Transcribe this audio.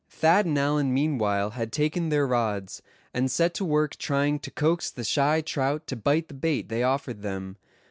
Thad and Allan meanwhile had taken their rods, and set to work trying to coax the shy trout to bite the bait they offered them.